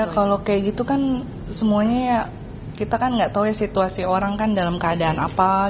kalau kayak gitu kan semuanya ya kita kan nggak tahu ya situasi orang kan dalam keadaan apa